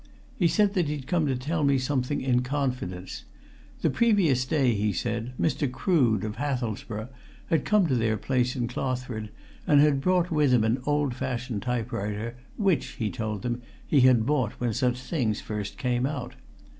He said that he'd come to tell me something in confidence. The previous day, he said, Mr. Crood, of Hathelsborough, had come to their place in Clothford and had brought with him an old fashioned typewriter which, he told them, he had bought when such things first came out.